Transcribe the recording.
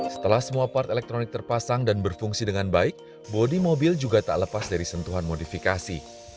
setelah semua part elektronik terpasang dan berfungsi dengan baik bodi mobil juga tak lepas dari sentuhan modifikasi